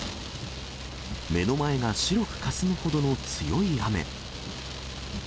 目の前が白くかすむほどの強い雨。